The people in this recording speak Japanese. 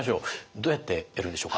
どうやってやるんでしょうか？